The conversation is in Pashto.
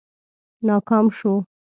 ناکام شو.